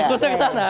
fokusnya ke sana